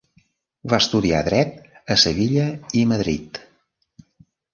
Va estudiar Dret a Sevilla i Madrid.